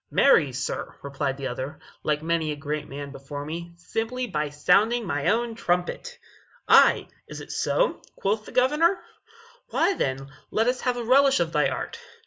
"Marry, sir," replied the other, "like many a great man before me, simply by sounding my own trumpet." "Ay, is it so?" quoth the Governor; "why, then, let us have a relish of thy art."